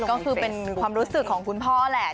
ก็คือเป็นความรู้สึกของคุณพ่อแหละ